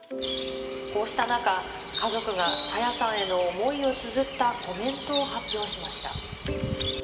こうした中、家族が朝芽さんへの思いをつづったコメントを発表しました。